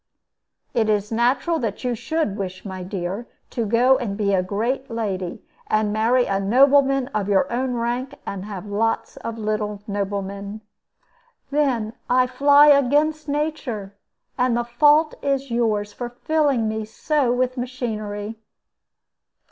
"It is natural that you should wish, my dear, to go and be a great lady, and marry a nobleman of your own rank, and have a lot of little noblemen." "Then I fly against nature; and the fault is yours for filling me so with machinery."